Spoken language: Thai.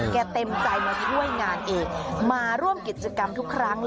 เต็มใจมาช่วยงานเองมาร่วมกิจกรรมทุกครั้ง